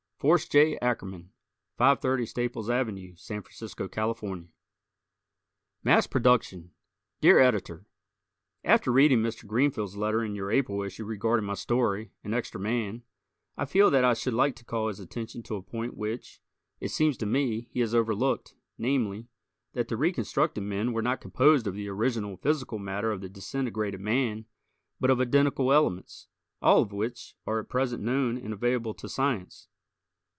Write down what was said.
Forrest J. Ackerman, 530 Staples Ave., San Francisco, Calif. Mass Production Dear Editor: After reading Mr. Greenfield's letter in your April issue regarding my story, "An Extra Man," I feel that I should like to call his attention to a point which, it seems to me, he has overlooked, namely, that the reconstructed men were not composed of the original physical matter of the disintegrated man but of identical elements, all of which are at present known and available to science.